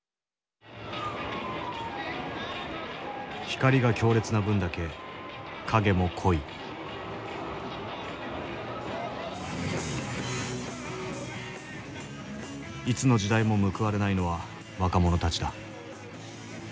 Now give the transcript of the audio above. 光が強烈な分だけ影も濃いいつの時代も報われないのは若者たちだ。